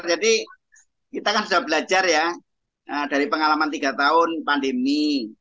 jadi kita kan sudah belajar ya dari pengalaman tiga tahun pandemi